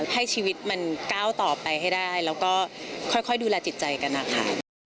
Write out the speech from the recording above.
ให้ชีวิตมันก้าวต่อไปให้ได้แล้วก็ค่อยดูแลจิตใจกันนะคะ